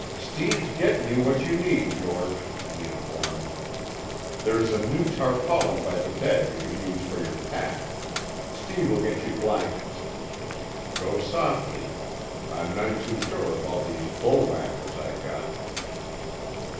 "Steve's gettin' you what you need, George," he informed. "There's a new tarpaulin by the bed you can use for your pack. Steve'll get you blankets. Go softly. I'm none too sure of all these bull whackers I got."